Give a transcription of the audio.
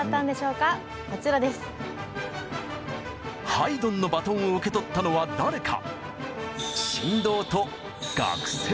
ハイドンのバトンを受け取ったのは誰か？